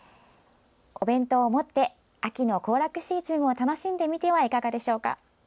お弁当を持って秋の行楽シーズンを楽しんでみてはいかがでしょうか。